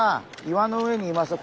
岩の上にいます。